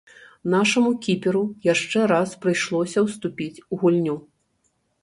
Нашаму кіперу яшчэ раз прыйшлося ўступіць у гульню.